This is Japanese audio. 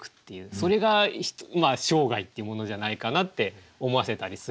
それが生涯っていうものじゃないかなって思わせたりするんですね。